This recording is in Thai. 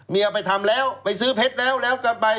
เอาไปทำแล้วไปซื้อเพชรแล้วแล้วกลับไป